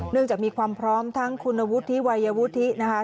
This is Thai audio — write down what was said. จากมีความพร้อมทั้งคุณวุฒิวัยวุฒินะคะ